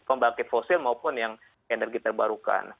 pembangkit fosil maupun yang energi terbarukan